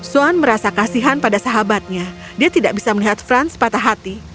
swan merasa kasihan pada sahabatnya dia tidak bisa melihat frans patah hati